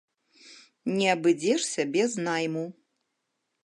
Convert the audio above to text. Не абыдзешся без найму.